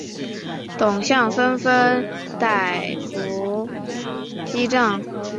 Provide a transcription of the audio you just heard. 董相纷纷逮捕击杖。